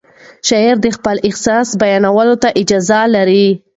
شاعر د خپل احساس بیانولو اجازه لري.